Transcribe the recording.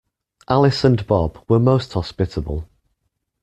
Alice and Bob were most hospitable